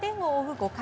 ５回。